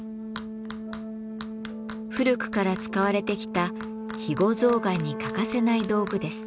古くから使われてきた肥後象がんに欠かせない道具です。